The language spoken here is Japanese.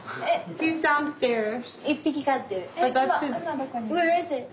１匹飼ってる。